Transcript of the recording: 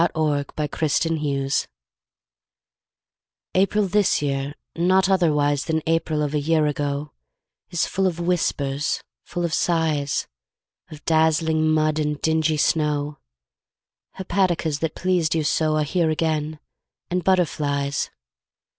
SONG OF A SECOND APRIL April this year, not otherwise Than April of a year ago, Is full of whispers, full of sighs, Of dazzling mud and dingy snow; Hepaticas that pleased you so Are here again, and butterflies.